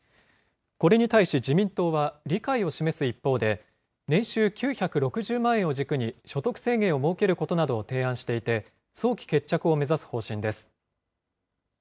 これに対し自民党は、理解を示す一方で、年収９６０万円を軸に、所得制限を設けることなどを提案していて、早期決着を目指す方針です。